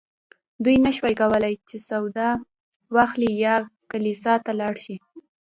دوی نه شوای کولی چې سودا واخلي یا کلیسا ته لاړ شي.